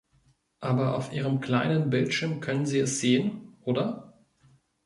Aber auf Ihrem kleinen Bildschirm können Sie es sehen, oder?